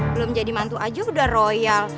belum jadi mantu aja udah royal